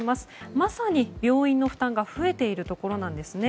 まさに病院の負担が増えているところなんですね。